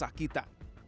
yang pesah kita